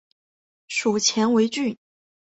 属犍为郡。